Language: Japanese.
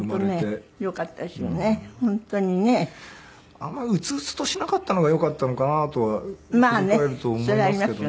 あんまり鬱々としなかったのがよかったのかなとは振り返ると思いますけどね。